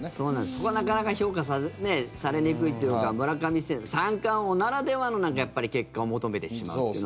そこは、なかなか評価されにくいというか村上選手、三冠王ならではの結果を求めてしまうというのは。